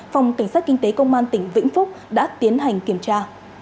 phòng cảnh sát kinh tế công an tỉnh vĩnh phúc đã tiến hành kiểm tra